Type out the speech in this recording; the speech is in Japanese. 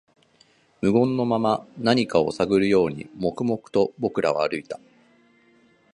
無言のまま、何かを探るように、黙々と僕らは歩いた